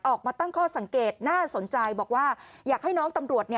ออกมาตั้งข้อสังเกตน่าสนใจบอกว่าอยากให้น้องตำรวจ